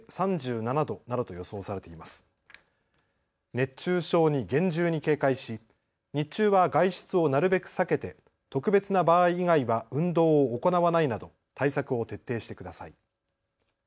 熱中症に厳重に警戒し日中は外出をなるべく避けて特別な場合以外は運動を行わないなど対策を徹底してください。